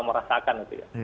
kita merasakan gitu ya